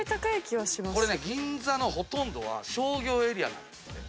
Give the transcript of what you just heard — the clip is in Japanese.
これね銀座のほとんどは商業エリアなんですって。